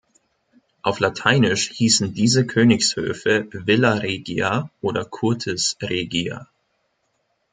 Auf lateinisch hießen diese Königshöfe "villa regia" oder "curtis regia".